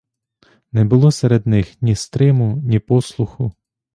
Не було серед них ні стриму, ні послуху.